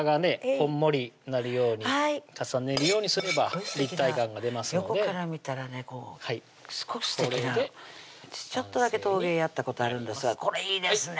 こんもりなるように重ねるようにすれば立体感が出ますので横から見たらねすごくすてきなの私ちょっとだけ陶芸やったことあるんですがこれいいですね